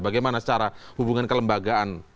bagaimana secara hubungan kelembagaan